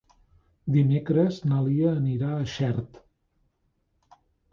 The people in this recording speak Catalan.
Dimecres na Lia anirà a Xert.